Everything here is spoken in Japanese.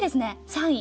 ３位。